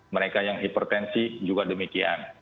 mereka yang hipertensi juga demikian